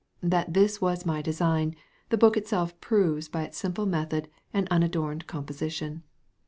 That this was my design, the book itself proves by its simple method and unadorned composition.